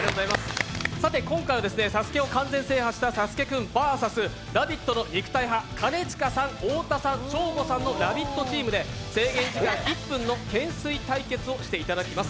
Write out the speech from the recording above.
今回は「ＳＡＳＵＫＥ」を完全制覇したサスケくん、「ラヴィット！」の肉体派兼近さん、太田さん、ショーゴさんのラヴィットチームで制限時間、１分の懸垂対決をしていただきます